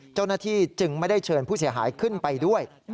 เจ้าหน้าที่จึงไม่ได้เชิญผู้เสียหายขึ้นไปด้วย